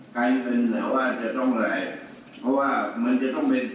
กลายเป็นแบบว่าจะต้องอะไรเพราะว่ามันจะต้องเป็น